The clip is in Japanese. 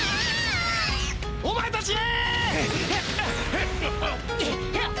お前たち！